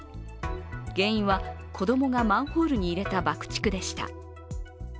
原因は、子供がマンホールに入れた爆竹でした。